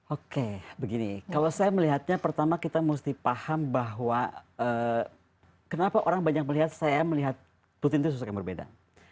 oke begini kalau saya melihatnya pertama kita mesti paham bahwa kenapa orang banyak melihat saya melihat putin itu sosok yang berbeda